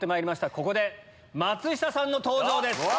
ここで松下さんの登場です。